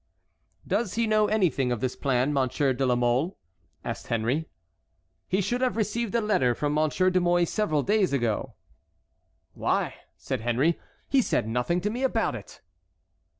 "Does he know anything of this plan, Monsieur de la Mole?" asked Henry. "He should have received a letter from Monsieur de Mouy several days ago." "Why," said Henry, "he said nothing to me about it!"